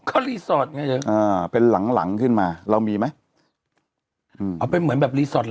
ก็รีสอร์ทเป็นหลังหลังขึ้นมาเรามีไหมเอาไปเหมือนแบบพิจุท